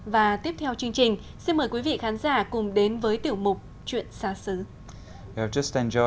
và tiếp theo chương trình xin mời quý vị khán giả cùng đến với tiểu mục chuyện xa xứ